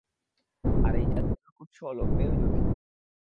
আর এই জাদুর উৎস হলো মেরুজ্যোতি।